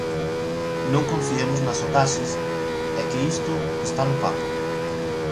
Non confiemos nas sondaxes e que isto está no papo.